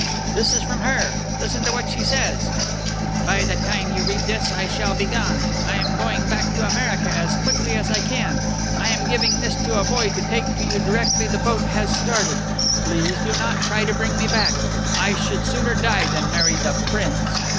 "This is from her. Listen what she says: "_By the time you read this I shall be gone. I am going back to America as quickly as I can. I am giving this to a boy to take to you directly the boat has started. Please do not try to bring me back. I would sooner die than marry the Prince.